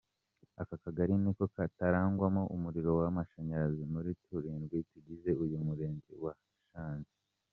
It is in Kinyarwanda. Aka Kagali niko katarangwamo umuriro w’amashanyarazi muri turindwi tugize uyu Umurenge wa Shangi.